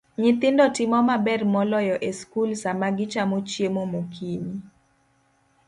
Nyithindo timo maber moloyo e skul sama gichamo chiemo mokinyi.